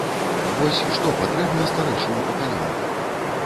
Вось, што патрэбна старэйшаму пакаленню?